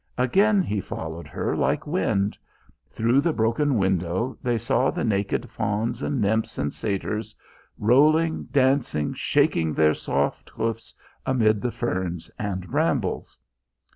Again he followed her like wind. Through the broken window they saw the naked fauns and nymphs and satyrs rolling, dancing, shaking their soft hoofs amid the ferns and brambles.